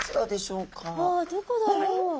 あどこだろう？